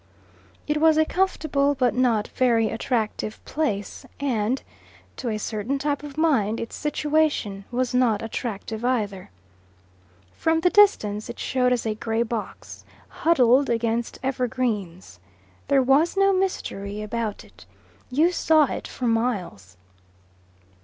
It was a comfortable but not very attractive place, and, to a certain type of mind, its situation was not attractive either. From the distance it showed as a grey box, huddled against evergreens. There was no mystery about it. You saw it for miles.